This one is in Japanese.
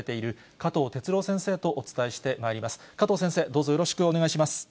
加藤先生、どうぞよろしくお願いよろしくお願いします。